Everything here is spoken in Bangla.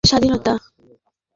মানুষ চেয়েছিল তাদের স্বাধীনতা।